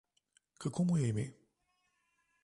Kako mu je ime?